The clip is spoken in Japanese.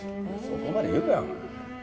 そこまで言うかよお前。